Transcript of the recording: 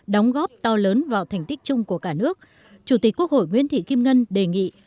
đóng góp to lớn vào thành tích chung của cả nước chủ tịch quốc hội nguyễn thị kim ngân đề nghị